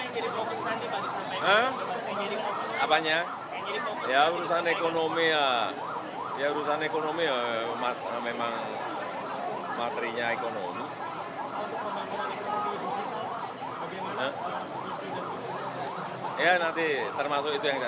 kita ini yang praktek praktek aja lah bukan yang teori teori